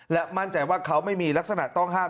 และมั่นใจว่าเขาไม่มีลักษณะต้องห้าม